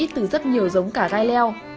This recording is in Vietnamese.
từ rất nhiều giống cà gai leo